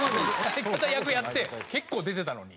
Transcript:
相方役やって結構出てたのに。